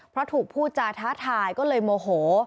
เพราะถูกพูดจาท้าทายก็เลยโมโห